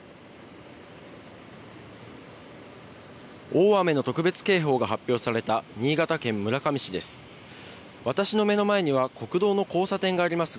大雨の特別警報が発表された新潟県村上市です。